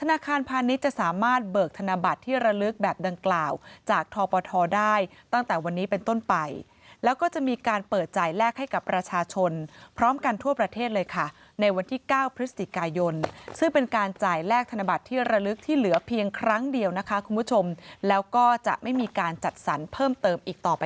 ธนาคารพาณิชย์จะสามารถเบิกธนบัตรที่ระลึกแบบดังกล่าวจากทปทได้ตั้งแต่วันนี้เป็นต้นไปแล้วก็จะมีการเปิดจ่ายแลกให้กับประชาชนพร้อมกันทั่วประเทศเลยค่ะในวันที่๙พฤศจิกายนซึ่งเป็นการจ่ายแลกธนบัตรที่ระลึกที่เหลือเพียงครั้งเดียวนะคะคุณผู้ชมแล้วก็จะไม่มีการจัดสรรเพิ่มเติมอีกต่อไป